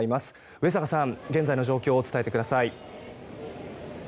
上坂さん、現在の状況を伝えてください。